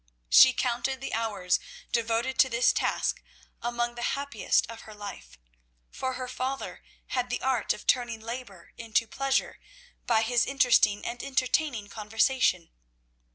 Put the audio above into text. She counted the hours devoted to this task among the happiest of her life, for her father had the art of turning labour into pleasure by his interesting and entertaining conversation.